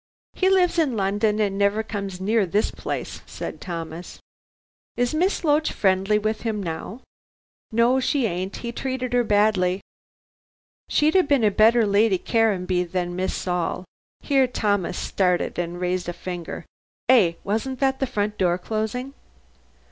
"He lives in London and never comes near this place," said Thomas. "Is Miss Loach friendly with him now?" "No, she ain't. He treated her badly. She'd have been a better Lady Caranby than Miss Saul" here Thomas started and raised a finger. "Eh! wasn't that the front door closing?"